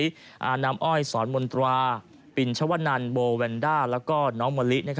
อานำอ้อยสอนมนตราปินชวนันโบแวนด้าแล้วก็น้องมะลิ